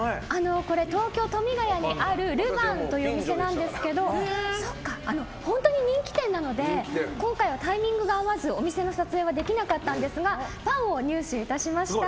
東京・富ヶ谷にあるルヴァンというお店なんですが本当に人気店なので今回はタイミングが合わずお店の撮影はできなかったんですがパンを入手いたしました。